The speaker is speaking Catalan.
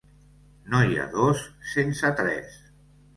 No hi ha dos sense tres.